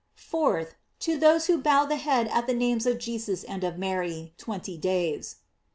4th. To those who bow the head at the names of Jesus and of Mary, twenty days.